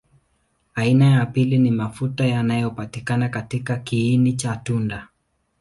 Aina ya pili ni mafuta yanapatikana katika kiini cha tunda.